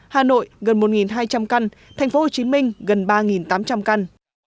hà nội gần một hai trăm linh căn tp hcm gần ba tám trăm linh căn